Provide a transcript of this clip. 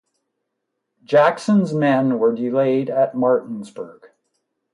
Jackson's men were delayed at Martinsburg.